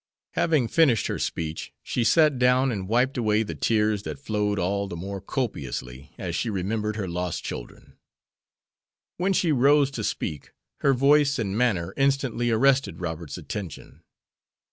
Having finished her speech, she sat down and wiped away the tears that flowed all the more copiously as she remembered her lost children. When she rose to speak her voice and manner instantly arrested Robert's attention.